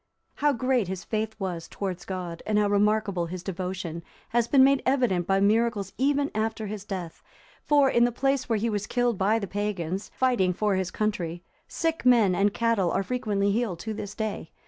(341) How great his faith was towards God, and how remarkable his devotion, has been made evident by miracles even after his death; for, in the place where he was killed by the pagans, fighting for his country, sick men and cattle are frequently healed to this day.